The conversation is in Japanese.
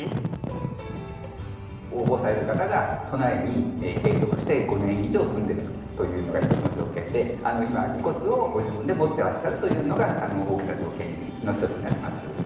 応募される方が都内に継続して５年以上住んでいるというのが一つの条件で今遺骨をご自分で持ってらっしゃるというのが大きな条件の一つになります。